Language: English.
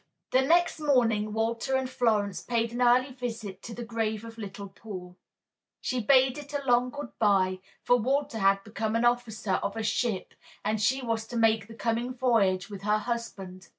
The next morning Walter and Florence paid an early visit to the grave of little Paul. She bade it a long good by, for Walter had become an officer of a ship and she was to make the coming voyage with her husband.